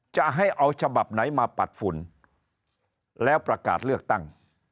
จะให้เอาฉบับไหนมาปัดฝุ่นแล้วประกาศเลือกตั้ง